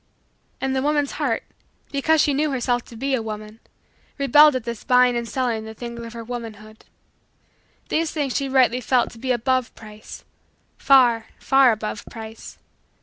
And the woman's heart, because she knew herself to be a woman, rebelled at this buying and selling the things of her womanhood. These things she rightly felt to be above price far, far, above price.